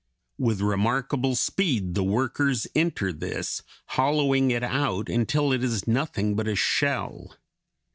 With remarkable speed the workers enter this, hollowing it out, until it is nothing but a shell.